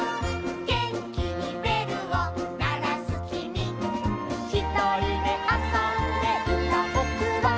「げんきにべるをならすきみ」「ひとりであそんでいたぼくは」